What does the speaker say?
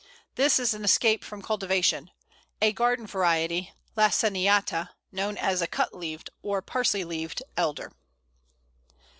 This is an escape from cultivation a garden variety (laciniata) known as the Cut leaved or Parsley leaved Elder.